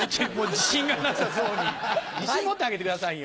自信持って挙げてくださいよ。